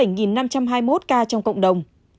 trong đó có bảy năm trăm hai mươi một ca trong cộng đồng